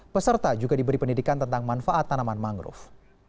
peserta juga diberi pendidikan tentang manfaat tanaman mangrove